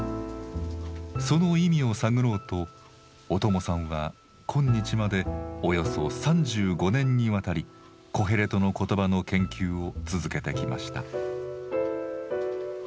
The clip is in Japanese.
その意味を探ろうと小友さんは今日までおよそ３５年にわたり「コヘレトの言葉」の研究を続けてきました。